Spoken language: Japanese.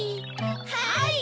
はい！